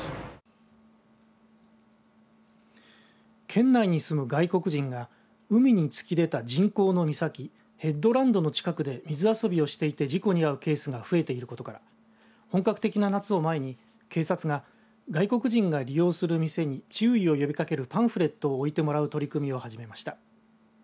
県内に住む外国人が海に突き出た人工の岬ヘッドランドの近くで水遊びをしていて事故に遭うケースが増えていることから本格的な夏を前に警察が、外国人が利用する店に注意を呼びかけるパンフレットを置いてもらう取り組みを始めました。